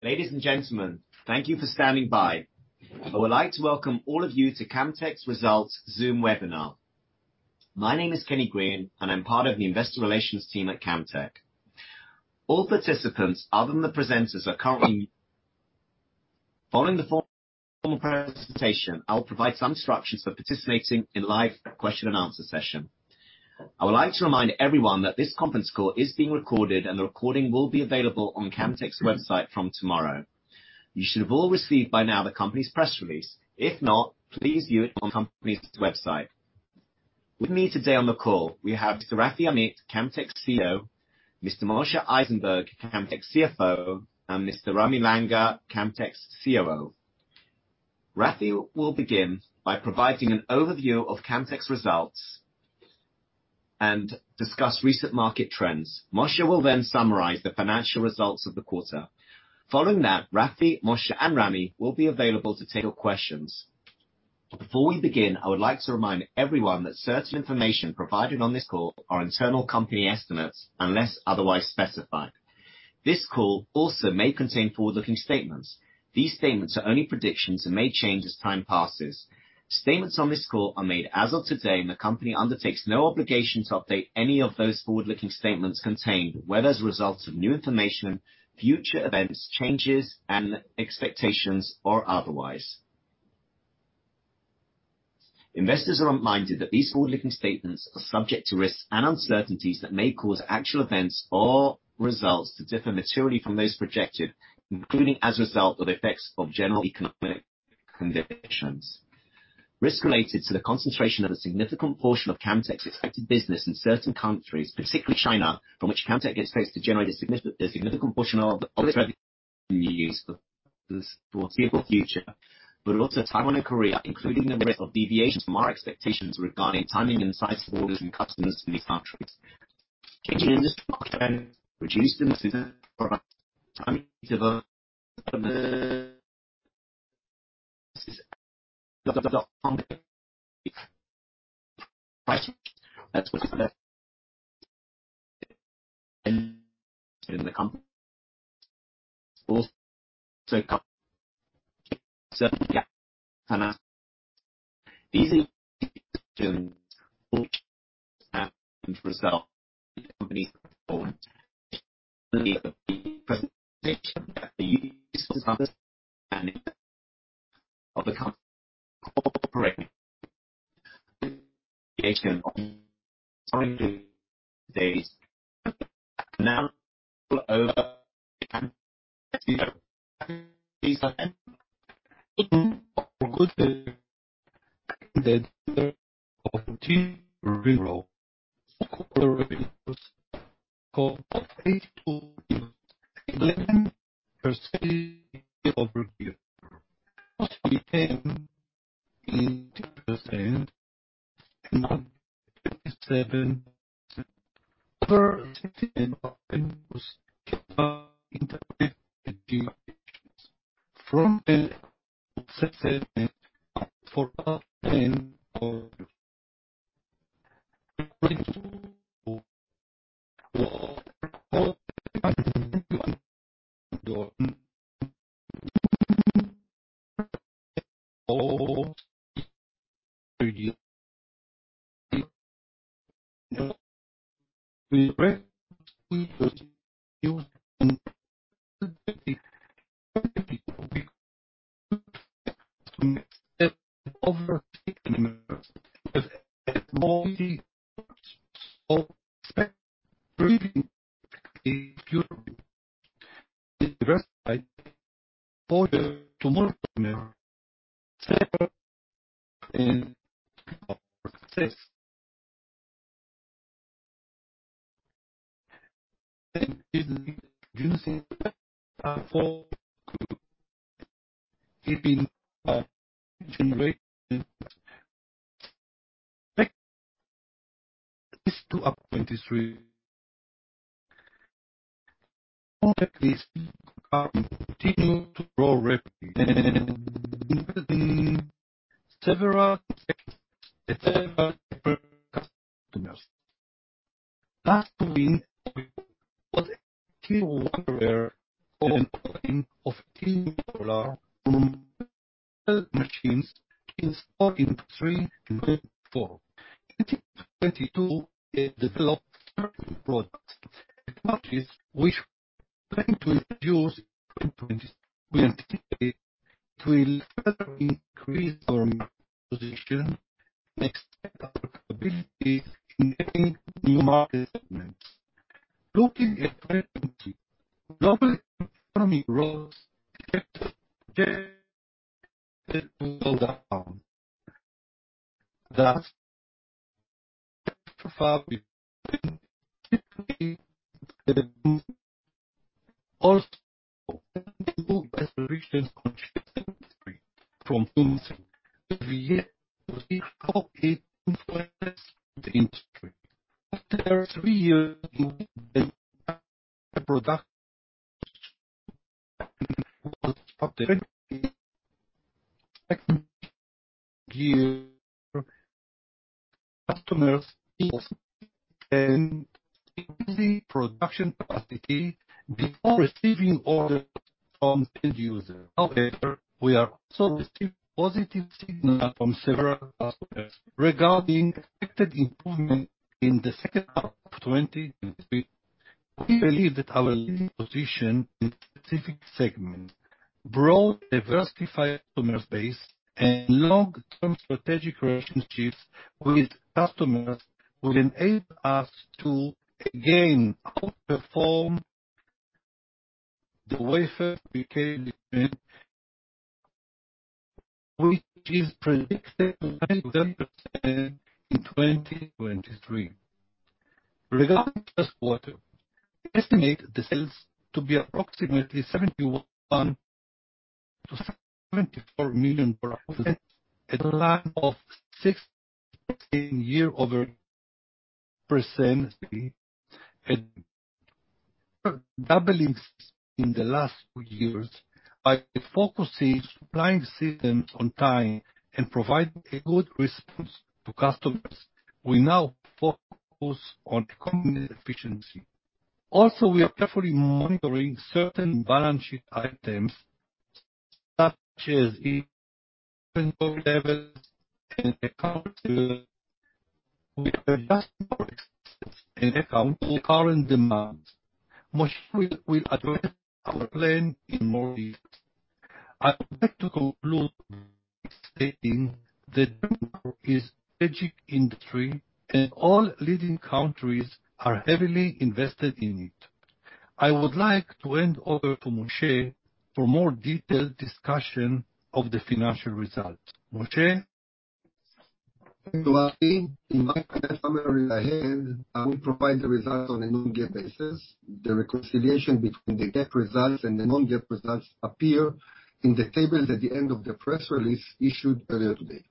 Ladies and gentlemen, thank you for standing by. I would like to welcome all of you to Camtek's Results Zoom webinar. My name is Kenny Green, and I'm part of the investor relations team at Camtek. All participants other than the presenters are currently. Following the formal presentation, I will provide some instructions for participating in live question and answer session. I would like to remind everyone that this conference call is being recorded, and the recording will be available on Camtek's website from tomorrow. You should have all received by now the company's press release. If not, please view it on the company's website. With me today on the call, we have Mr. Rafi Amit, Camtek's CEO, Mr. Moshe Eisenberg, Camtek's CFO, and Mr. Ramy Langer, Camtek's COO. Rafi will begin by providing an overview of Camtek's results and discuss recent market trends. Moshe will then summarize the financial results of the quarter. Following that, Rafi, Moshe, and Ramy will be available to take your questions. Before we begin, I would like to remind everyone that certain information provided on this call are internal company estimates unless otherwise specified. This call also may contain forward-looking statements. These statements are only predictions and may change as time passes. Statements on this call are made as of today, and the company undertakes no obligation to update any of those forward-looking statements contained, whether as a result of new information, future events, changes, and expectations or otherwise. Investors are reminded that these forward-looking statements are subject to risks and uncertainties that may cause actual events or results to differ materially from those projected, including as a result of effects of general economic conditions. Risk related to the concentration of a significant portion of Camtek's expected business in certain countries, particularly China, from which Camtek expects to generate a significant portion of its revenue used for foreseeable future, but also Taiwan and Korea, including the risk of deviations from our expectations regarding timing and size of orders from customers in these countries. Changing industry trends, reduced demand for our products, timing of. Several customers. Last to win was a Tier one player on an opening of $10 on machines in 2043 and 2044. In 2022, we developed certain products and markets which we plan to introduce in 2023. We anticipate it will further increase our market position and expand our profitability in entering new market segments. Looking at 2023, global economic growth is projected to go down. So far with Also, we do best solutions on chip industry from whom every year we copy influence the industry. After three years, we make a production Customers production capacity before receiving orders from end users. We are also receiving positive signals from several customers regarding expected improvement in the H2 of 2023. We believe that our leading position in specific segments, broad diversified customer base, and long-term strategic relationships with customers will enable us to again outperform the wafer fab equipment, which is predicted to rise 10% in 2023. Regarding Q1, we estimate the sales to be approximately $71 million-$74 million, a decline of 60% year-over-year. After doubling in the last two years, by focusing supplying systems on time and providing a good response to customers, we now focus on company efficiency. Also, we are carefully monitoring certain balance sheet items, such as the levels and accounts for current demands. Moshe will address our plan in more details. I'd like to conclude stating that memory is strategic industry and all leading countries are heavily invested in it. I would like to hand over to Moshe for more detailed discussion of the financial results. Moshe? Thank you, Rafi. In my summary ahead, I will provide the results on a non-GAAP basis. The reconciliation between the GAAP results and the non-GAAP results appear in the tables at the end of the press release issued earlier today.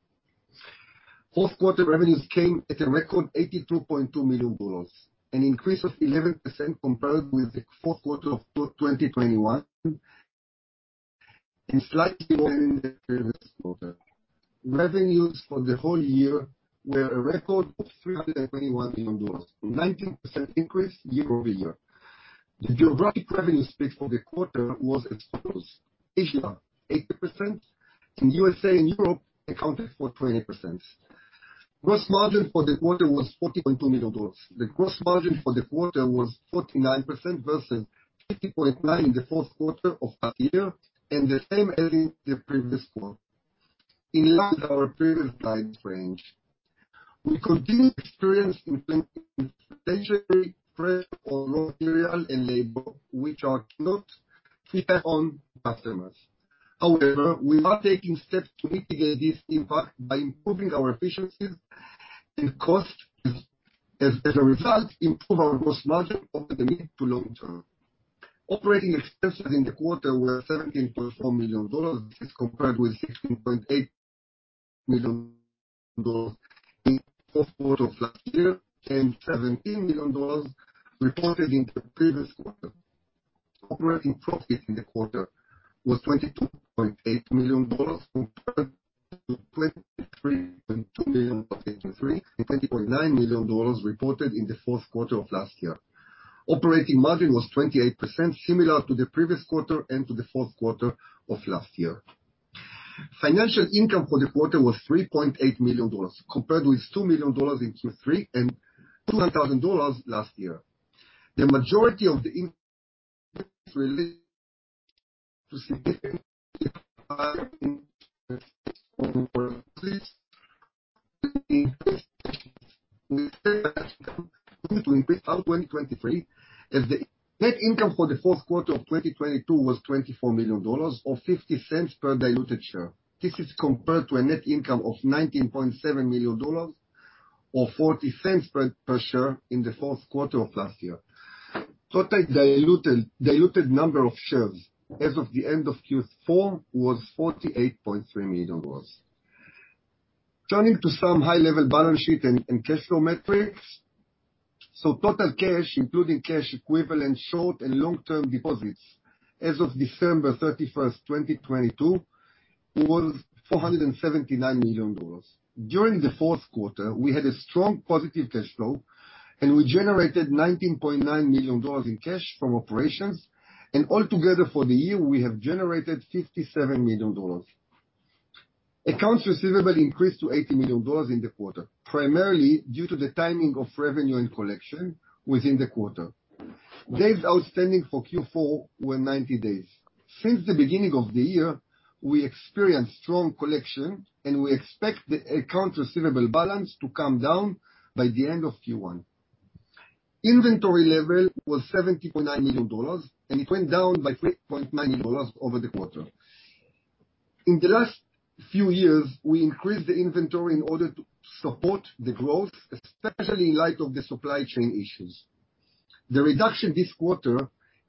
Q4 revenues came at a record $82.2 million, an increase of 11% compared with the Q4 of 2021, and slightly more than the previous quarter. Revenues for the whole year were a record of $321 million, 19% increase year-over-year. The geographic revenue split for the quarter was as follows: Asia, 80%, and USA and Europe accounted for 20%. Gross margin for the quarter was $40.2 million. The gross margin for the quarter was 49% versus 50.9% in the Q4 of last year and the same as in the previous quarter. In line with our previous guidance range. We continued to experience inflationary pressure on raw material and labor, which are not fully passed on to customers. We are taking steps to mitigate this impact by improving our efficiencies and costs, as a result, improve our gross margin over the mid to long term. Operating expenses in the quarter were $17.4 million as compared with $16.8 million in Q4 of last year, and $17 million reported in the previous quarter. Operating profit in the quarter was $22.8 million compared to $23.2 million in Q3 and $20.9 million reported in the Q4 of last year. Operating margin was 28%, similar to the previous quarter and to the Q4 of last year. Financial income for the quarter was $3.8 million, compared with $2 million in Q3 and $200,000 last year. The net income for the Q4 of 2022 was $24 million or $0.50 per diluted share. This is compared to a net income of $19.7 million or $0.40 per share in the Q4 of last year. Total diluted number of shares as of the end of Q4 was $48.3 million. Turning to some high-level balance sheet and cash flow metrics. Total cash, including cash equivalents, short and long-term deposits, as of December 31st, 2022, was $479 million. During the Q4, we had a strong positive cash flow, and we generated $19.9 million in cash from operations. Altogether for the year, we have generated $57 million. Accounts receivable increased to $80 million in the quarter, primarily due to the timing of revenue and collection within the quarter. Days outstanding for Q4 were 90 days. Since the beginning of the year, we experienced strong collection, and we expect the accounts receivable balance to come down by the end of Q1. Inventory level was $70.9 million, and it went down by $3.9 million over the quarter. In the last few years, we increased the inventory in order to support the growth, especially in light of the supply chain issues. The reduction this quarter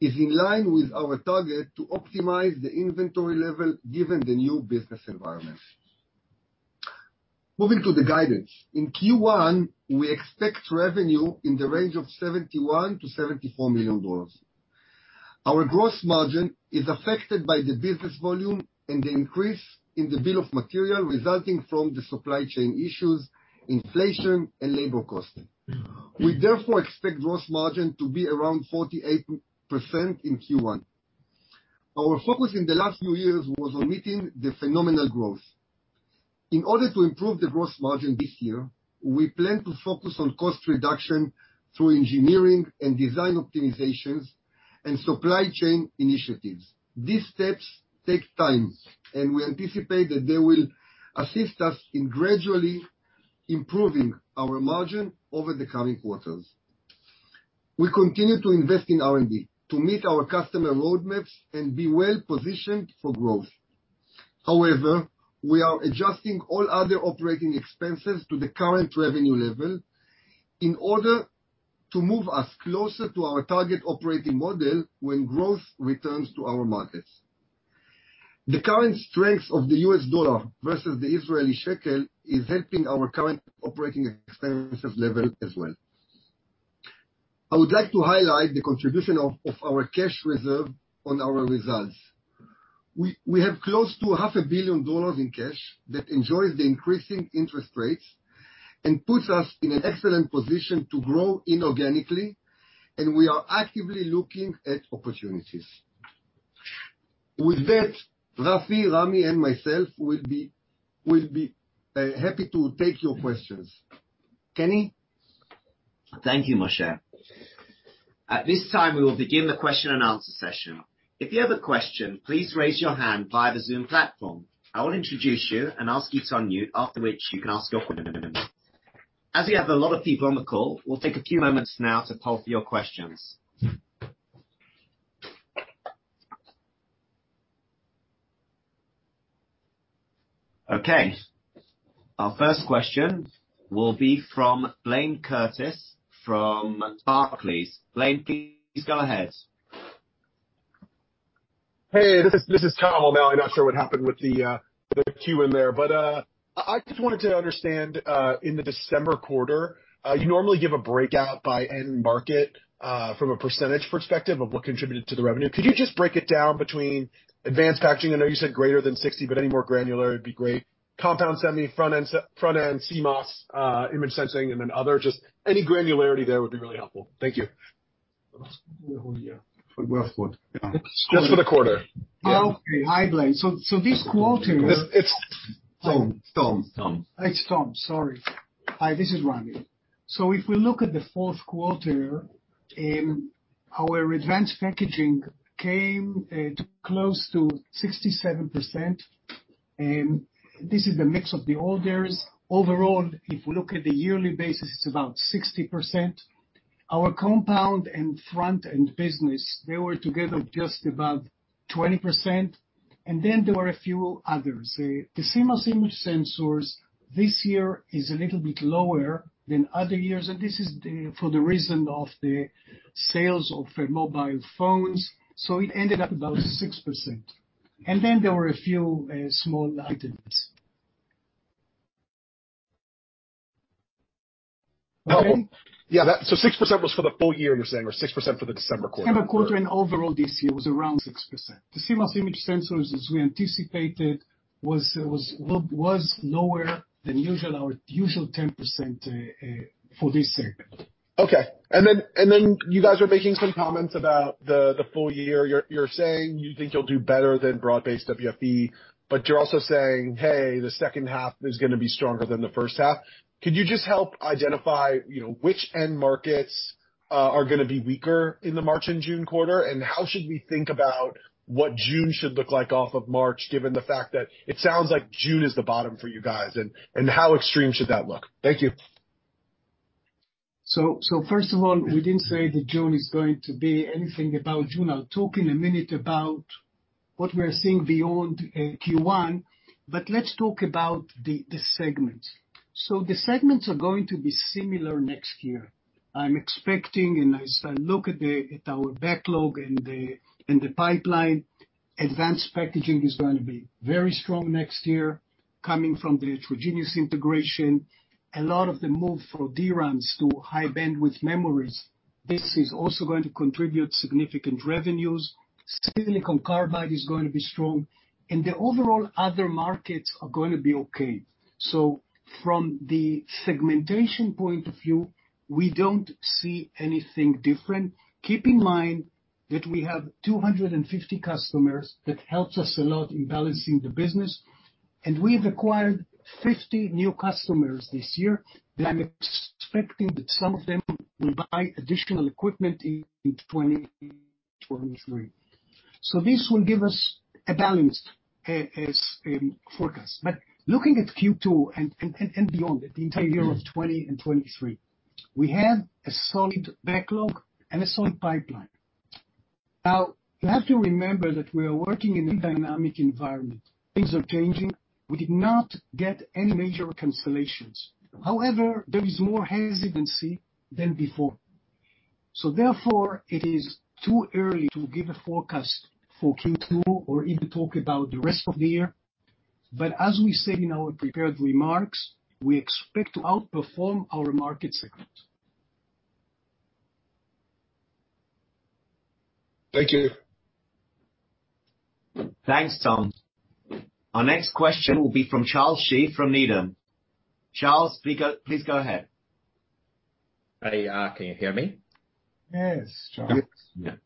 is in line with our target to optimize the inventory level given the new business environment. Moving to the guidance. In Q1, we expect revenue in the range of $71 million-$74 million. Our gross margin is affected by the business volume and the increase in the Bill of material resulting from the supply chain issues, inflation and labor cost. We therefore expect gross margin to be around 48% in Q1. Our focus in the last few years was on meeting the phenomenal growth. In order to improve the gross margin this year, we plan to focus on cost reduction through engineering and design optimizations and supply chain initiatives. These steps take time, and we anticipate that they will assist us in gradually improving our margin over the coming quarters. We continue to invest in R&D to meet our customer roadmaps and be well-positioned for growth. We are adjusting all other operating expenses to the current revenue level in order to move us closer to our target operating model when growth returns to our markets. The current strength of the US dollar versus the Israeli shekel is helping our current operating expense level as well. I would like to highlight the contribution of our cash reserve on our results. We have close to half a billion dollars in cash that enjoys the increasing interest rates and puts us in an excellent position to grow inorganically, and we are actively looking at opportunities. With that, Rafi, Ramy and myself will be happy to take your questions. Kenny? Thank you, Moshe. At this time, we will begin the question and answer session. If you have a question, please raise your hand via the Zoom platform. I will introduce you and ask you to unmute, after which you can ask your. As we have a lot of people on the call, we'll take a few moments now to poll for your questions. Okay. Our first question will be from Blayne Curtis from Barclays. Blayne, please go ahead. Hey, this is Tom. I'm not sure what happened with the queue in there, but I just wanted to understand, in the December quarter, you normally give a breakout by end market, from a % perspective of what contributed to the revenue. Could you just break it down between advanced packaging? I know you said greater than 60, but any more granular, it'd be great. Compound semi, front-end set, front-end CMOS, image sensing and then other, just any granularity there would be really helpful. Thank you. Just for the quarter. Okay. Hi, Blayne. This quarter- It's Tom. Tom. It's Tom. Sorry. Hi, this is Ramy. If we look at the Q4, our advanced packaging came to close to 67%, this is the mix of the orders. Overall, if we look at the yearly basis, it's about 60%. Our compound and front-end business, they were together just about 20%. There were a few others. The CMOS image sensors this year is a little bit lower than other years, and this is the, for the reason of the sales of mobile phones. It ended up about 6%. There were a few, small items. Yeah. 6% was for the full year, you're saying, or 6% for the December quarter? December quarter and overall this year was around 6%. The CMOS image sensors, as we anticipated, was lower than usual, our usual 10% for this segment. Okay. Then you guys were making some comments about the full year. You're saying you think you'll do better than broad-based WFE, but you're also saying, "Hey, the H2 is gonna be stronger than the H1." Could you just help identify, you know, which end markets are gonna be weaker in the March and June quarter? How should we think about what June should look like off of March, given the fact that it sounds like June is the bottom for you guys? How extreme should that look? Thank you. First of all, we didn't say that June is going to be anything about June. I'll talk in a minute about what we're seeing beyond Q1. Let's talk about the segments. The segments are going to be similar next year. I'm expecting, and as I look at our backlog and the pipeline, advanced packaging is going to be very strong next year coming from the Heterogeneous integration. A lot of the move from DRAMs to High Bandwidth Memories, this is also going to contribute significant revenues. Silicon carbide is going to be strong, and the overall other markets are going to be okay. From the segmentation point of view, we don't see anything different. Keep in mind that we have 250 customers. That helps us a lot in balancing the business. We've acquired 50 new customers this year, and I'm expecting that some of them will buy additional equipment in 2023. This will give us a balanced forecast. Looking at Q2 and beyond, the entire year of 2020 and 2023, we have a solid backlog and a solid pipeline. You have to remember that we are working in a dynamic environment. Things are changing. We did not get any major cancellations. However, there is more hesitancy than before. Therefore, it is too early to give a forecast for Q2 or even talk about the rest of the year. But as we say in our prepared remarks, we expect to outperform our market segment. Thank you. Thanks, Tom. Our next question will be from Charles Shi from Needham. Charles, please go ahead. Hey, can you hear me? Yes, Charles. Yeah.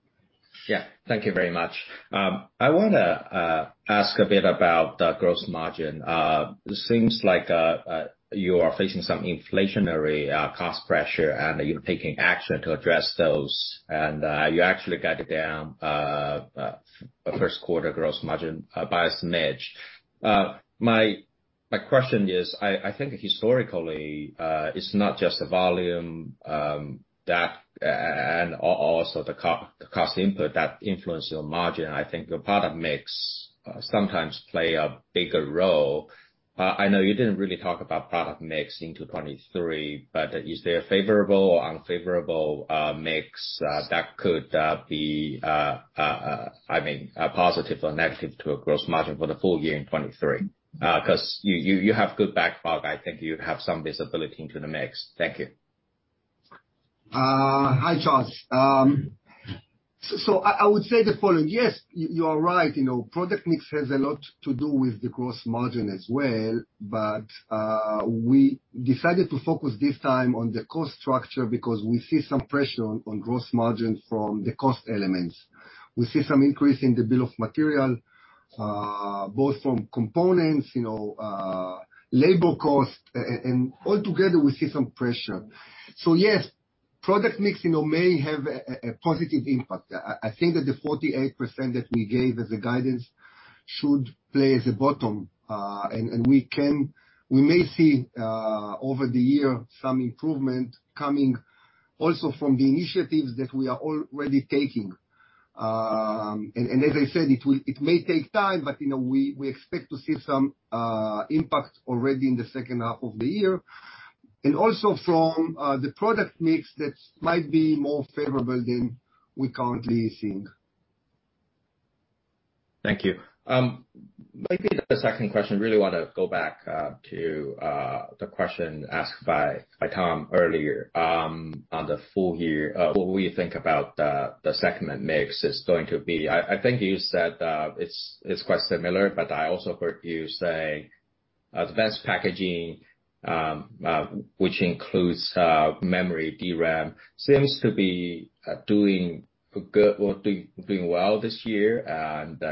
Yeah, thank you very much. I wanna ask a bit about the gross margin. It seems like you are facing some inflationary cost pressure, and you're taking action to address those. You actually got it down Q1 gross margin by a smidge. My question is, I think historically, it's not just the volume that and also the cost input that influence your margin. I think your product mix sometimes play a bigger role. I know you didn't really talk about product mix in 23, but is there a favorable or unfavorable mix that could be, I mean, a positive or negative to a gross margin for the full year in 23? 'Cause you have good backlog. I think you have some visibility into the mix. Thank you. Hi, Charles. I would say the following. Yes, you are right, you know, product mix has a lot to do with the gross margin as well, but we decided to focus this time on the cost structure because we see some pressure on gross margin from the cost elements. We see some increase in the bill of material, both from components, you know, labor cost. Altogether, we see some pressure. Yes, product mix, you know, may have a positive impact. I think that the 48% that we gave as a guidance should play at the bottom. We may see over the year some improvement coming also from the initiatives that we are already taking. As I said, it will, it may take time, but, you know, we expect to see some impact already in the H2 of the year. Also from the product mix that might be more favorable than we currently think. Thank you. Maybe the second question, really wanna go back to the question asked by Tom earlier on the full year, what we think about the segment mix is going to be. I think you said it's quite similar, but I also heard you say advanced packaging, which includes memory DRAM, seems to be doing good or doing well this year.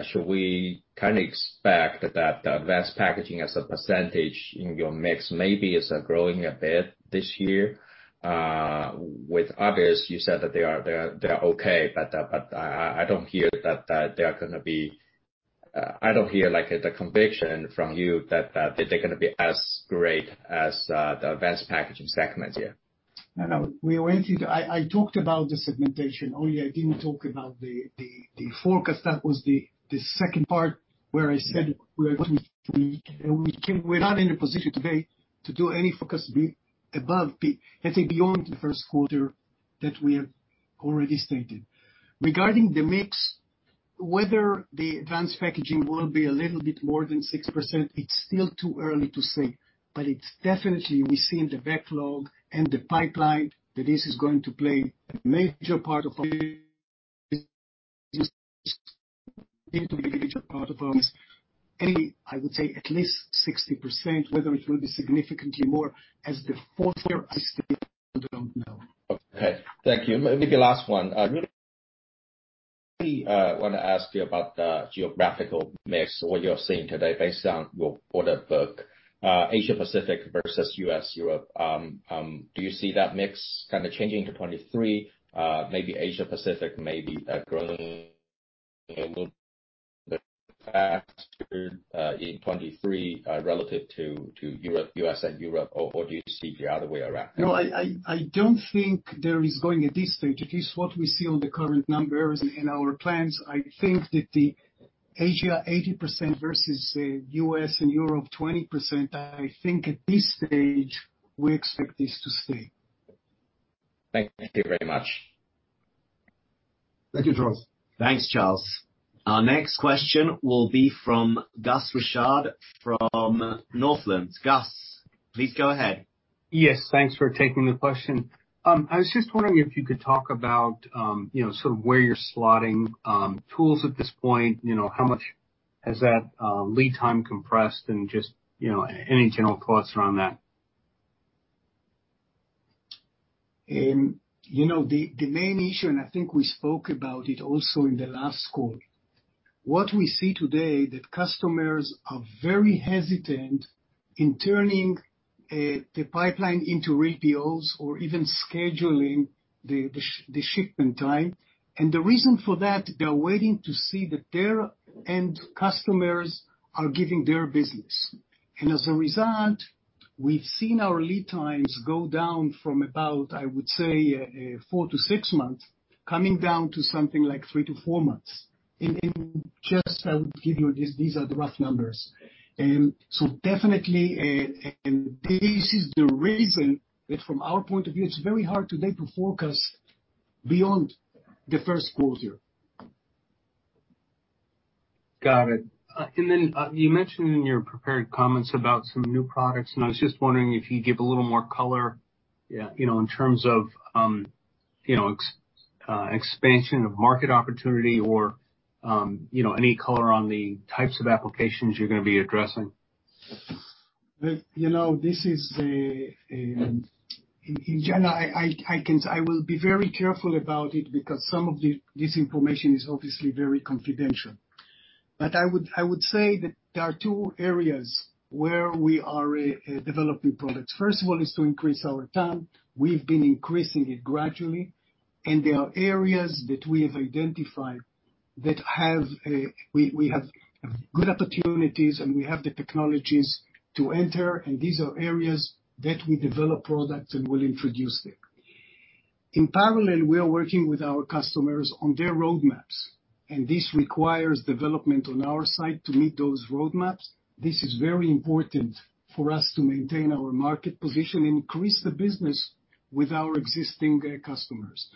Should we kinda expect that the advanced packaging as a percentage in your mix maybe is growing a bit this year? With others, you said that they are okay. I don't hear that they are gonna be. I don't hear like the conviction from you that they're gonna be as great as the advanced packaging segment. Yeah. No, no. We went into... I talked about the segmentation only. I didn't talk about the forecast. That was the second part where I said we're not in a position today to do any forecast beyond the Q1 that we have already stated. Regarding the mix, whether the advanced packaging will be a little bit more than 6%, it's still too early to say. It's definitely we see in the backlog and the pipeline that this is going to play a major part of our business. I would say at least 60%, whether it will be significantly more as the fourth year, I still don't know. Okay. Thank you. Maybe the last one. I really wanna ask you about the geographical mix, what you're seeing today based on your order book, Asia-Pacific versus US, Europe. Do you see that mix kinda changing to 23? Maybe Asia-Pacific, maybe growing a little faster in 23 relative to Europe, US and Europe or do you see the other way around? No, I don't think there is going at this stage. It is what we see on the current numbers in our plans. I think that the Asia 80% versus US and Europe 20%, at this stage we expect this to stay. Thank you very much. Thank you, Charles. Thanks, Charles. Our next question will be from Gus Richard from Northland. Gus, please go ahead. Yes, thanks for taking the question. I was just wondering if you could talk about, you know, sort of where you're slotting tools at this point? You know, how much has that lead time compressed and just, you know, any general thoughts around that? You know, the main issue, and I think we spoke about it also in the last call, what we see today that customers are very hesitant in turning the pipeline into radios or even scheduling the shipment time. The reason for that, they're waiting to see that their end customers are giving their business. As a result, we've seen our lead times go down from about, I would say, four-six months, coming down to something like three-four months. Just I'll give you these are the rough numbers. Definitely, and this is the reason that from our point of view, it's very hard today to forecast beyond the Q1. Got it. You mentioned in your prepared comments about some new products, and I was just wondering if you'd give a little more color, you know, in terms of, you know, expansion of market opportunity or, you know, any color on the types of applications you're gonna be addressing? You know, this is. In general, I will be very careful about it because some of this information is obviously very confidential. I would say that there are two areas where we are developing products. First of all, is to increase our TAM. We've been increasing it gradually, and there are areas that we have identified that have good opportunities and we have the technologies to enter, and these are areas that we develop products and we'll introduce there. In parallel, we are working with our customers on their roadmaps, and this requires development on our side to meet those roadmaps. This is very important for us to maintain our market position and increase the business with our existing customers.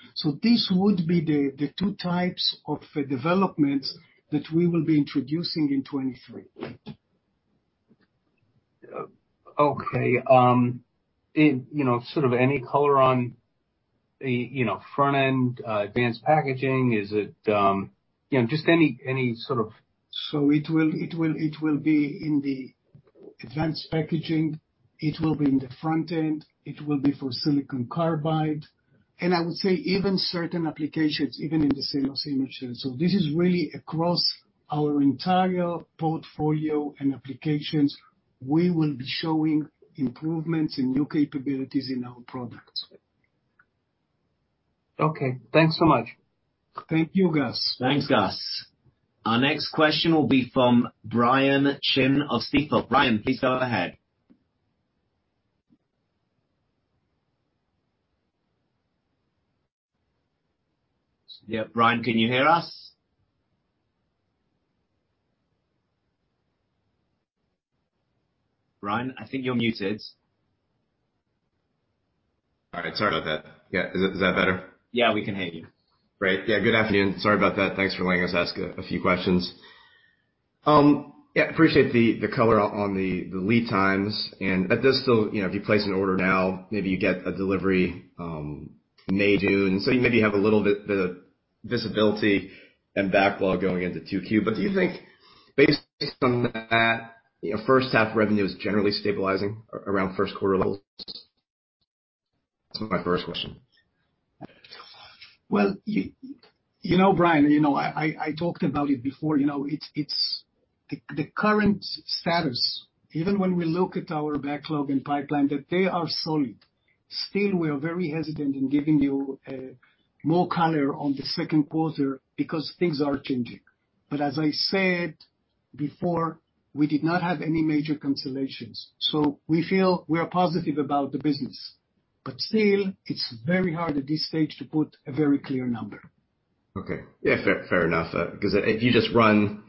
This would be the two types of developments that we will be introducing in 2023. Okay. You know, sort of any color on the, you know, front-end, advanced packaging? Is it... You know, just any sort of... It will be in the advanced packaging. It will be in the front end. It will be for silicon carbide. I would say even certain applications, even in the CMOS imaging. This is really across our entire portfolio and applications, we will be showing improvements and new capabilities in our products. Okay. Thanks so much. Thank you, Gus. Thanks, Gus. Our next question will be from Brian Chin of Stifel. Brian, please go ahead. Yeah. Brian, can you hear us? Brian, I think you're muted. All right, sorry about that. Yeah. Is that better? Yeah, we can hear you. Great. Yeah. Good afternoon. Sorry about that. Thanks for letting us ask a few questions. Yeah, appreciate the color on the lead times and that does still, you know, if you place an order now, maybe you get a delivery, May, June. You maybe have a little bit of visibility and backlog going into 2Q. Do you think based on that, you know, H1 revenue is generally stabilizing around Q1 levels? That's my first question. Well, you know, Brian, you know, I, I talked about it before, you know, it's the current status, even when we look at our backlog and pipeline that they are solid. We are very hesitant in giving you more color on the Q2 because things are changing. As I said before, we did not have any major cancellations, so we feel we are positive about the business. Still, it's very hard at this stage to put a very clear number. Okay. Yeah, fair enough, 'cause if you just run,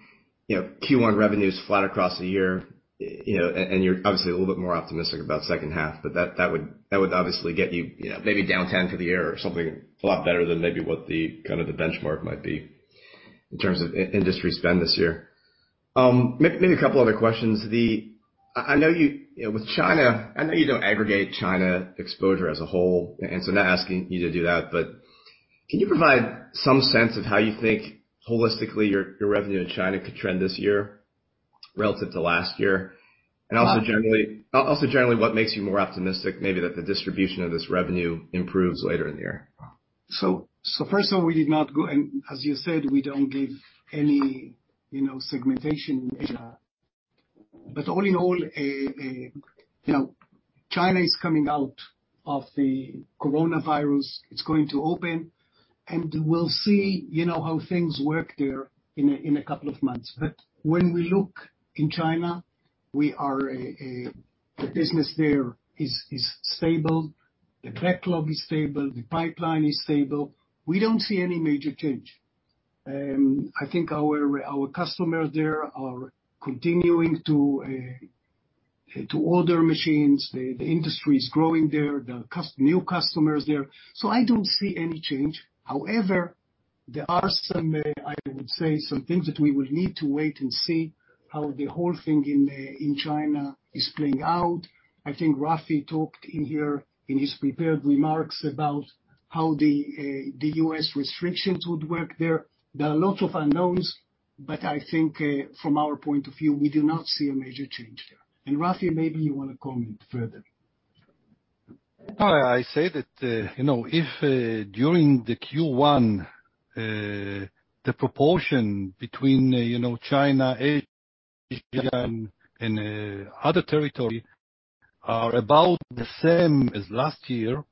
you know, Q1 revenues flat across the year, you know, and you're obviously a little bit more optimistic about H2,but that would obviously get you know, maybe down 10 for the year or something a lot better than maybe what the kind of the benchmark might be in terms of industry spend this year. Maybe a couple other questions. I know you know, with China, I know you don't aggregate China exposure as a whole, and so I'm not asking you to do that, but can you provide some sense of how you think holistically your revenue in China could trend this year relative to last year? Also generally, what makes you more optimistic maybe that the distribution of this revenue improves later in the year? First of all, we did not go... As you said, we don't give any, you know, segmentation. All in all, you know, China is coming out of the coronavirus. It's going to open, and we'll see, you know, how things work there in a couple of months. When we look in China, we are, the business there is stable. The backlog is stable. The pipeline is stable. We don't see any major change. I think our customers there are continuing to order machines. The industry is growing there. The new customers there. I don't see any change. However, there are some, I would say some things that we would need to wait and see how the whole thing in China is playing out. I think Rafi talked in here in his prepared remarks about how the US restrictions would work there. There are a lot of unknowns, but I think from our point of view, we do not see a major change there. Rafi, maybe you wanna comment further? I say that, you know, if, during the Q1, the proportion between, you know, China, Asia, and other territory are about the same as last year,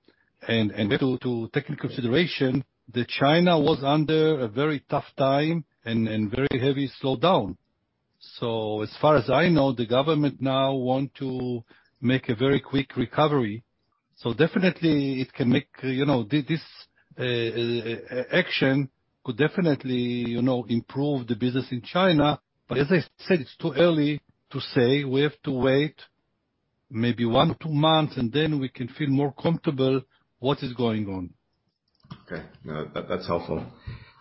and we have to take into consideration that China was under a very tough time and very heavy slowdown. As far as I know, the government now want to make a very quick recovery. Definitely it can make, you know, this action could definitely, you know, improve the business in China. As I said, it's too early to say. We have to wait. Maybe one, two months, and then we can feel more comfortable what is going on. Okay. No, that's helpful.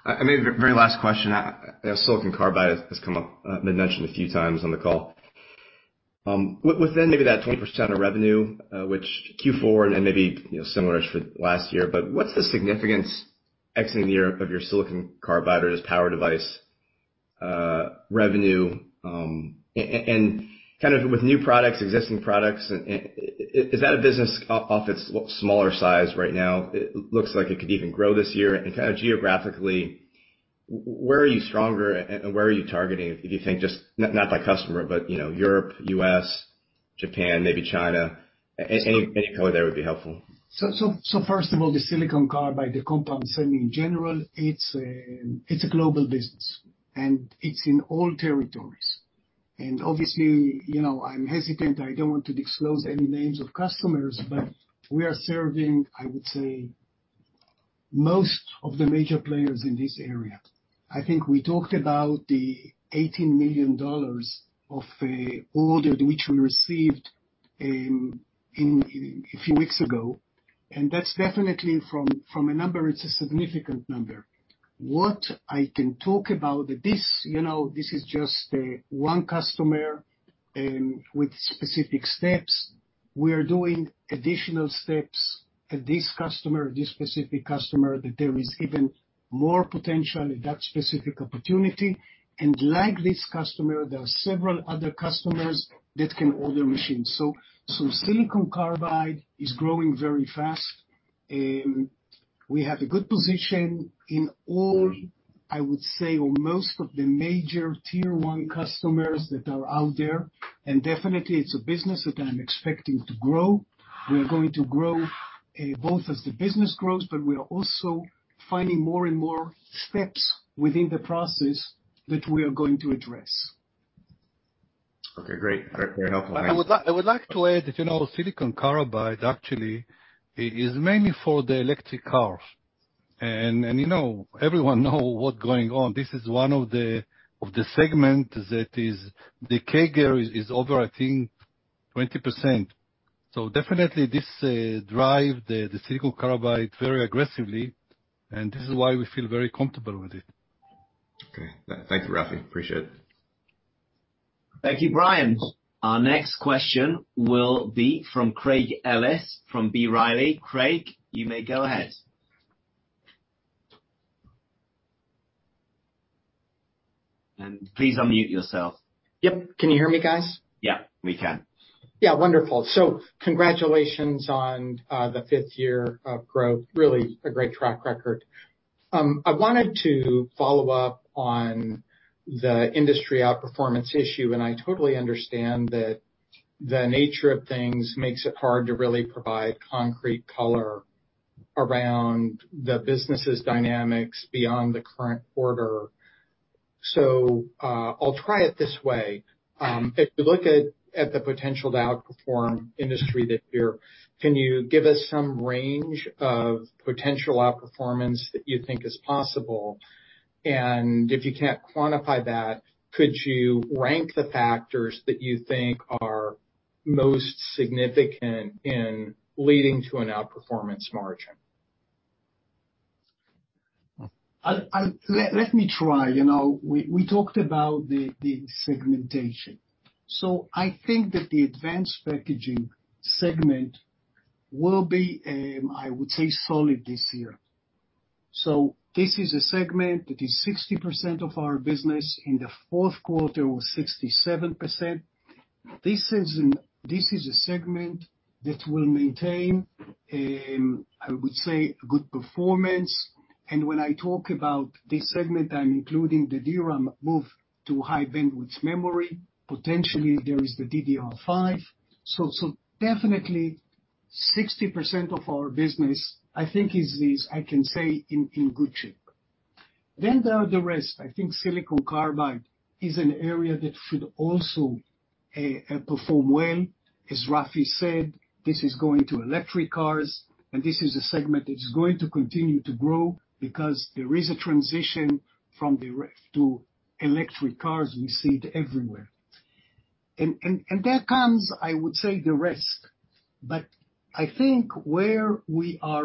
Very last question. Silicon carbide has come up, been mentioned a few times on the call. Within maybe that 20% of revenue, which Q4 and then maybe, you know, similar-ish for last year, but what's the significance exiting the year of your Silicon carbide or as power device revenue? Kind of with new products, existing products, and is that a business off its smaller size right now? It looks like it could even grow this year. Kinda geographically, where are you stronger and where are you targeting, if you think just, not by customer, but, you know, Europe, US, Japan, maybe China. Any color there would be helpful. First of all, the Silicon carbide, the compound semi in general, it's a global business, and it's in all territories. Obviously, you know, I'm hesitant, I don't want to disclose any names of customers, but we are serving, I would say, most of the major players in this area. I think we talked about the $18 million of order which we received a few weeks ago. That's definitely from a number, it's a significant number. What I can talk about this, you know, this is just one customer with specific steps. We're doing additional steps at this customer, this specific customer, that there is even more potential in that specific opportunity. Like this customer, there are several other customers that can order machines. Silicon carbide is growing very fast. We have a good position in all, I would say, or most of the major Tier one customers that are out there. Definitely it's a business that I'm expecting to grow. We are going to grow, both as the business grows, but we are also finding more and more steps within the process that we are going to address. Okay, great. Very helpful. I would like to add that, you know, Silicon carbide actually is mainly for the electric cars. You know, everyone know what's going on. This is one of the segment that is, the CAGR is over, I think, 20%. Definitely this drive the Silicon carbide very aggressively, and this is why we feel very comfortable with it. Okay. Thank you, Rafi. Appreciate it. Thank you, Brian. Our next question will be from Craig Ellis from B. Riley. Craig, you may go ahead. Please unmute yourself. Yep. Can you hear me guys? Yeah, we can. Yeah, wonderful. Congratulations on the fifth year of growth. Really a great track record. I wanted to follow up on the industry outperformance issue, and I totally understand that the nature of things makes it hard to really provide concrete color around the business's dynamics beyond the current quarter. I'll try it this way. If you look at the potential to outperform industry. Can you give us some range of potential outperformance that you think is possible? If you can't quantify that, could you rank the factors that you think are most significant in leading to an outperformance margin? Let me try. You know, we talked about the segmentation. I think that the advanced packaging segment will be, I would say, solid this year. This is a segment that is 60% of our business, in the Q4 was 67%. This is a segment that will maintain, I would say, a good performance. When I talk about this segment, I'm including the DRAM move to High Bandwidth Memory. Potentially, there is the DDR5. Definitely 60% of our business, I think, is, I can say, in good shape. There are the rest. I think silicon carbide is an area that should also perform well. As Rafi said, this is going to electric cars. This is a segment that's going to continue to grow because there is a transition from to electric cars we see everywhere. There comes, I would say, the risk. I think where we are,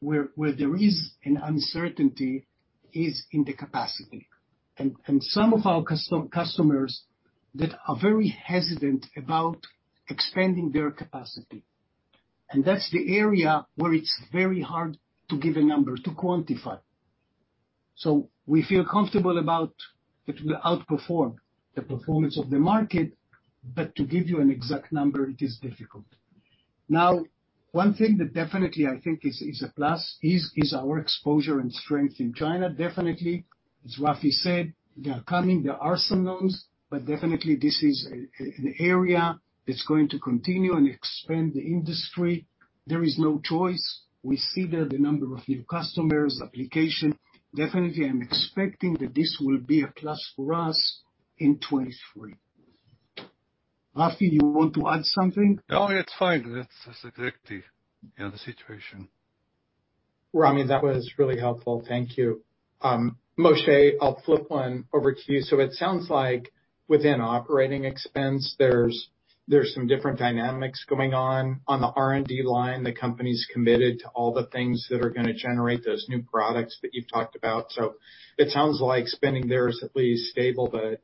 where there is an uncertainty is in the capacity. Some of our customers that are very hesitant about expanding their capacity. That's the area where it's very hard to give a number, to quantify. We feel comfortable about that we outperform the performance of the market, but to give you an exact number, it is difficult. One thing that definitely I think is a plus is our exposure and strength in China, definitely. As Rafi said, they are coming, there are some loans, but definitely this is an area that's going to continue and expand the industry. There is no choice. We see that the number of new customers, application. Definitely, I'm expecting that this will be a plus for us in 23. Rafi, you want to add something? No, it's fine. That's exactly, you know, the situation. Ramy, that was really helpful. Thank you. Moshe, I'll flip one over to you. It sounds like within operating expense, there's some different dynamics going on. onsemi the R&D line, the company's committed to all the things that are gonna generate those new products that you've talked about. It sounds like spending there is at least stable, but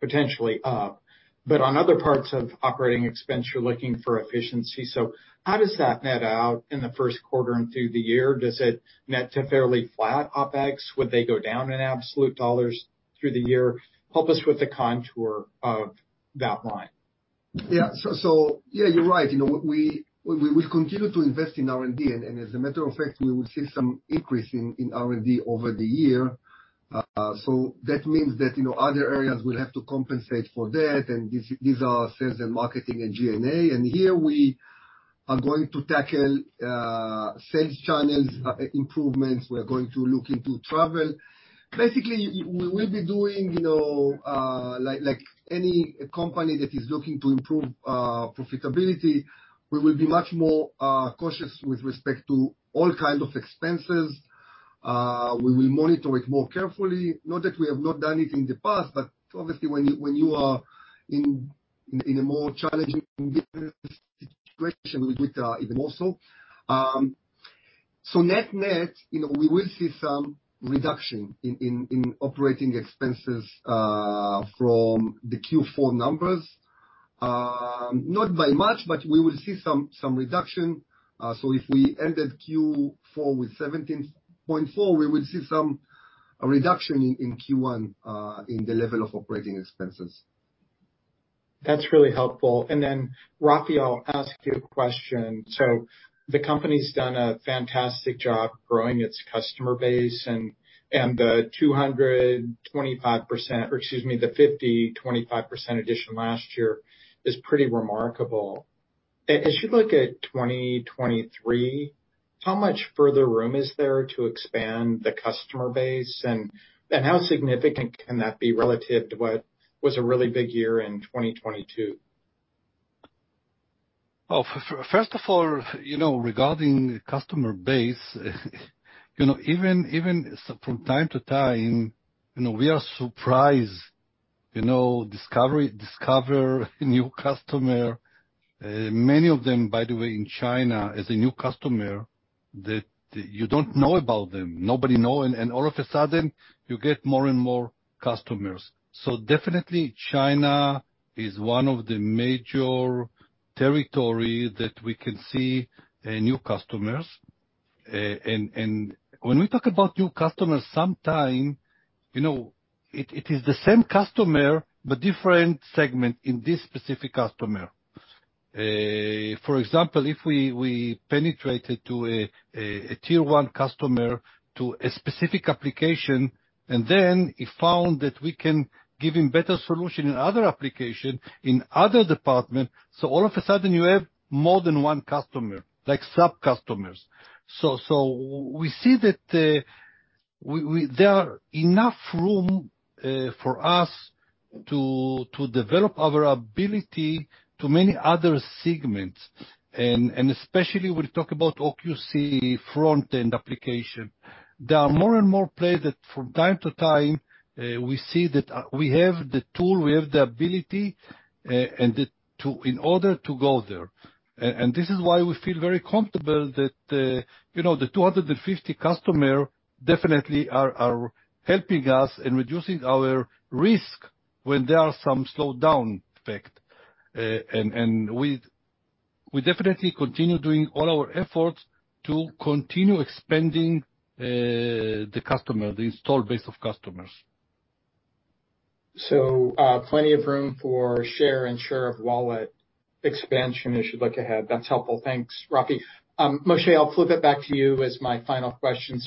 potentially up. On other parts of operating expense, you're looking for efficiency. How does that net out in the Q1 and through the year? Does it net to fairly flat OpEx? Would they go down in absolute dollars through the year? Help us with the contour of that line. Yeah. Yeah, you're right. You know, we continue to invest in R&D, and as a matter of fact, we will see some increase in R&D over the year. That means that, you know, other areas will have to compensate for that, and these are sales and marketing and G&A. Here we are going to tackle sales channels, improvements. We're going to look into travel. Basically we'll be doing, you know, like any company that is looking to improve profitability, we will be much more cautious with respect to all kinds of expenses. We will monitor it more carefully. Not that we have not done it in the past, but obviously when you are in a more challenging business situation, with which, even more so. Net-net, you know, we will see some reduction in operating expenses from the Q4 numbers. Not by much, but we will see some reduction. If we ended Q4 with $17.4, we will see some reduction in Q1 in the level of operating expenses. That's really helpful. Then, Rafi, I'll ask you a question. The company's done a fantastic job growing its customer base and the 225% or excuse me, the 50.25% addition last year is pretty remarkable. As you look at 2023, how much further room is there to expand the customer base? And how significant can that be relative to what was a really big year in 2022? First of all, you know, regarding customer base, you know, even so from time to time, you know, we are surprised, you know, discover a new customer. Many of them, by the way, in China, is a new customer that you don't know about them. Nobody know, and all of a sudden you get more and more customers. Definitely China is one of the major territory that we can see, new customers. When we talk about new customers, sometime, you know, it is the same customer, but different segment in this specific customer. For example, if we penetrated to a Tier one customer to a specific application, and then we found that we can give him better solution in other application in other department, all of a sudden you have more than one customer, like sub-customers. We see that we there are enough room for us to develop our ability to many other segments, and especially we talk about OQC front-end application. There are more and more play that from time to time, we see that we have the tool, we have the ability, and to in order to go there. This is why we feel very comfortable that, you know, the 250 customer definitely are helping us in reducing our risk when there are some slowdown effect. We definitely continue doing all our efforts to continue expanding the customer, the install base of customers. Plenty of room for share and share of wallet expansion as you look ahead. That's helpful. Thanks, Rafi. Moshe, I'll flip it back to you as my final question.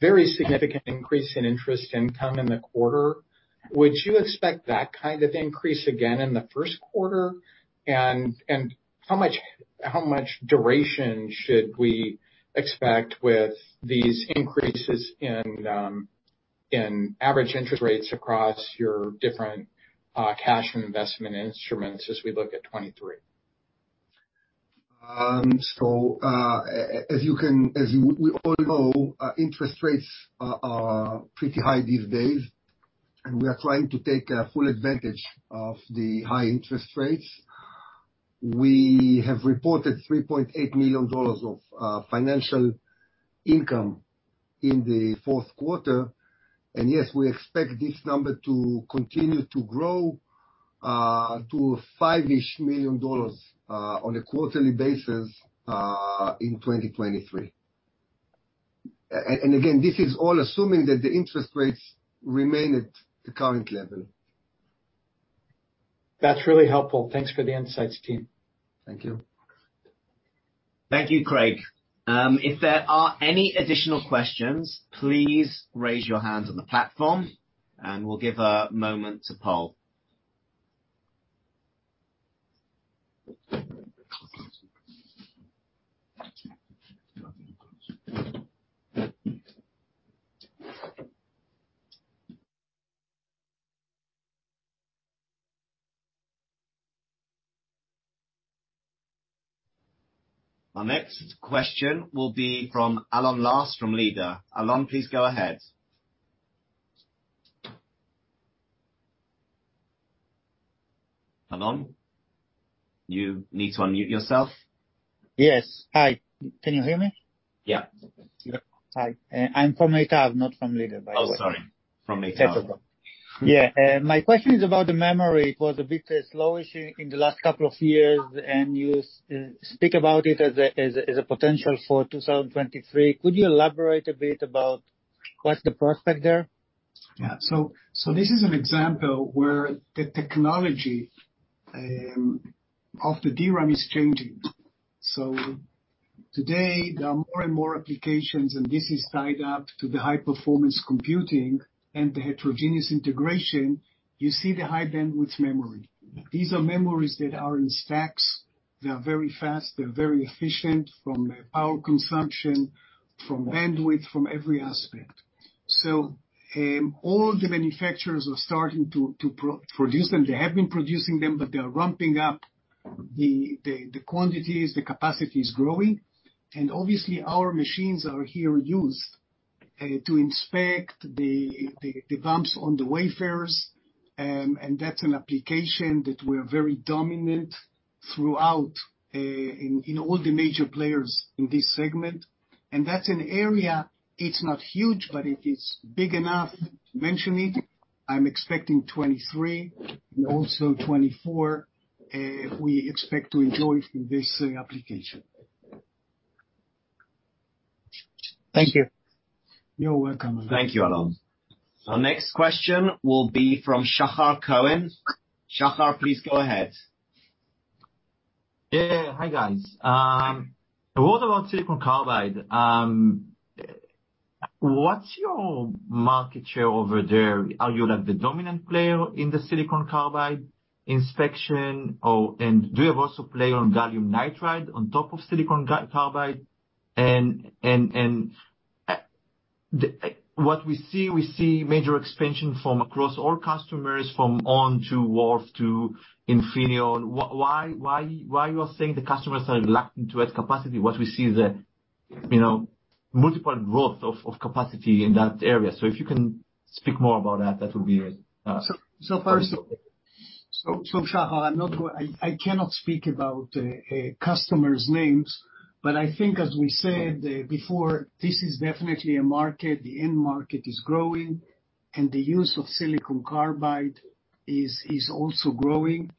Very significant increase in interest income in the quarter. Would you expect that kind of increase again in the Q1? And how much duration should we expect with these increases in average interest rates across your different cash and investment instruments as we look at 2023? As you can, as we all know, interest rates are pretty high these days, and we are trying to take full advantage of the high interest rates. We have reported $3.8 million of financial income in the Q4. Yes, we expect this number to continue to grow to $5-ish million on a quarterly basis in 2023. Again, this is all assuming that the interest rates remain at the current level. That's really helpful. Thanks for the insights, team. Thank you. Thank you, Craig. If there are any additional questions, please raise your hands on the platform, and we'll give a moment to poll. Our next question will be from Alon Last from Meitav. Alon, please go ahead. Alon, you need to unmute yourself. Yes. Hi. Can you hear me? Yeah. Hi. I'm from Meitav, not from Meitav, by the way. Oh, sorry. From Meitav. It's okay. Yeah. My question is about the memory. It was a bit slowish in the last couple of years, and you speak about it as a potential for 2023. Could you elaborate a bit about what's the prospect there? This is an example where the technology of the DRAM is changing. Today, there are more and more applications, and this is tied up to the high performance computing and the heterogeneous integration. You see the High Bandwidth Memory. These are memories that are in stacks. They're very fast, they're very efficient from a power consumption, from bandwidth, from every aspect. All the manufacturers are starting to produce them. They have been producing them, but they're ramping up the quantities, the capacity is growing. Obviously our machines are here used to inspect the bumps on the wafers. That's an application that we're very dominant throughout in all the major players in this segment. That's an area, it's not huge, but it is big enough to mention it. I'm expecting 2023 and also 2024, we expect to enjoy from this application. Thank you. You're welcome. Thank you, Alon. Our next question will be from Shahar Cohen. Shahar, please go ahead. Yeah. Hi, guys. What about silicon carbide? What's your market share over there? Are you like the dominant player in the silicon carbide inspection? Do you have also play on gallium nitride on top of silicon carbide? What we see, we see major expansion from across all customers from On to Wolfspeed to Infineon. Why you are saying the customers are lacking to add capacity what we see the, you know, multiple growth of capacity in that area. If you can speak more about that would be it. Shahar, I cannot speak about customers' names. I think as we said before, this is definitely a market, the end market is growing, and the use of Silicon carbide is also growing.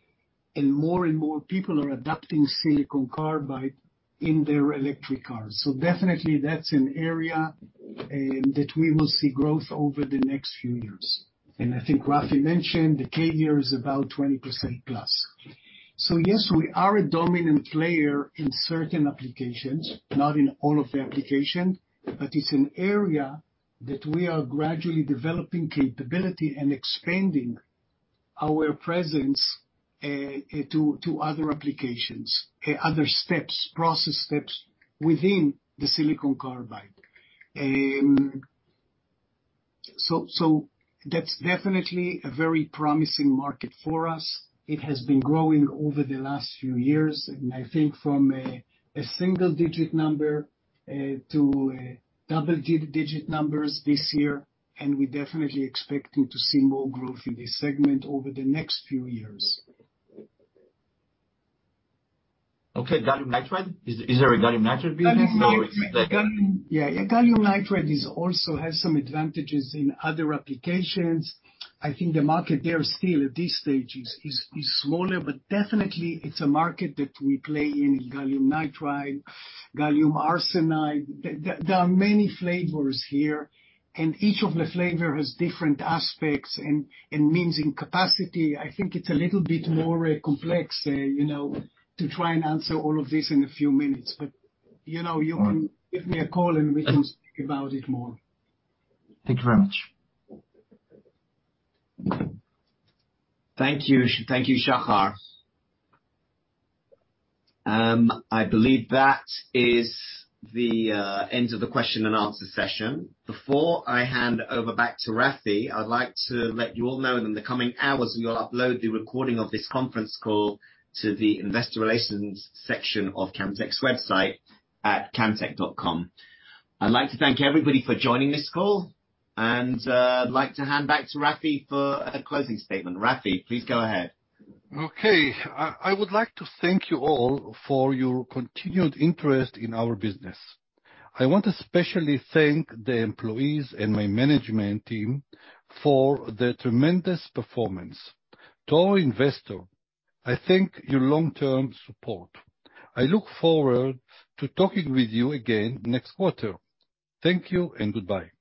More and more people are adopting Silicon carbide in their electric cars. Definitely that's an area that we will see growth over the next few years. I think Rafi mentioned the CAGR is about 20%+. Yes, we are a dominant player in certain applications, not in all of the application. It's an area that we are gradually developing capability and expanding our presence to other applications, other steps, process steps within the Silicon carbide. That's definitely a very promising market for us. It has been growing over the last few years. I think from a single-digit number to a double-digit numbers this year. We definitely expecting to see more growth in this segment over the next few years. Okay. Gallium nitride. Is there a gallium nitride business or it's like? Yeah. Gallium nitride is also has some advantages in other applications. I think the market there still at this stage is smaller, but definitely it's a market that we play in, Gallium nitride, Gallium arsenide. There are many flavors here, and each of the flavor has different aspects and means in capacity. I think it's a little bit more complex, you know, to try and answer all of this in a few minutes. you know, you can give me a call and we can speak about it more. Thank you very much. Thank you. Thank you, Shahar. I believe that is the end of the question and answer session. Before I hand over back to Rafi, I'd like to let you all know that in the coming hours, we will upload the recording of this conference call to the investor relations section of Camtek's website at camtek.com. I'd like to thank everybody for joining this call, and, I'd like to hand back to Rafi for a closing statement. Rafi, please go ahead. I would like to thank you all for your continued interest in our business. I want to especially thank the employees and my management team for their tremendous performance. To our investor, I thank your long-term support. I look forward to talking with you again next quarter. Thank you and goodbye.